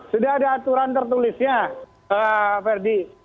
sudah ada aturan tertulisnya verdi